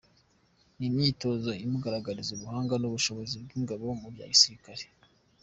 Ni imyitozo imugaragariza ubuhanga n’ubushobozi bw’ingabo mu bya gisirikare.